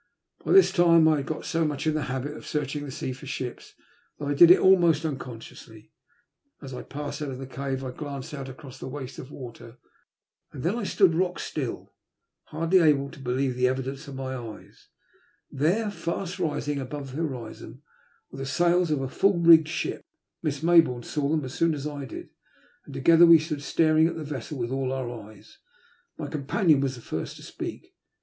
By this time I had got so much into the habit of searching the sea for ships that I did it almost tux* consciously. As I passed the cave I glanced out across the waste of water. Then I stood stock still, hardly able to believe the evidence of my eyes. Thoro, A BITTER DISAPPOINTMENT. 181 fast rising above the horizon, were the sails of a full rigged ship. Miss Maybonme saw them as soon as I did, and together we stood staring at the vessel with all our eyes. My companion was the first to speak.